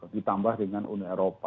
ditambah dengan uni eropa